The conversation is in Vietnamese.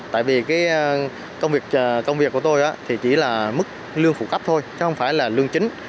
tại vì công việc của tôi chỉ là mức lương phụ cấp thôi chứ không phải là lương chính